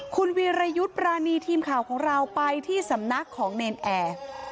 คุณวีรยุทธ์ปรานีทีมข่าวของเราไปที่สำนักของเนรนแอร์